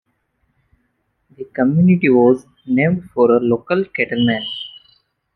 The community was named for a local cattleman.